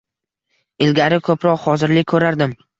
Ilgari koʻproq hozirlik koʻrardim.